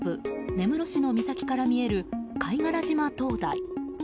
根室市の岬から見える貝殻島灯台。